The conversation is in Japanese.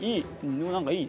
でも何かいい。